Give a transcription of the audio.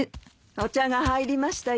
お茶が入りましたよ。